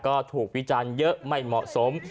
ก็ถูกวิจารณ์เยอะไม่เหมาะสม